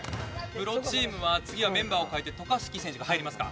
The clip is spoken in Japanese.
プロチームは次はメンバーを替えて渡嘉敷選手が入りますか？